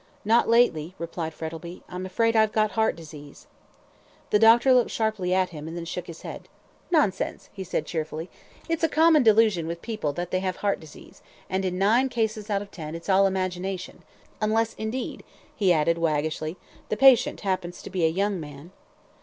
"Not lately," replied Frettlby. "I'm afraid I've got heart disease." The doctor looked sharply at him, and then shook his head. "Nonsense," he said, cheerfully, "it's a common delusion with people that they have heart disease, and in nine cases, out of ten it's all imagination; unless, indeed," he added waggishly, "the patient happens to be a young man."